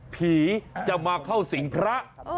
ผีจะมาเข้าสิงพระ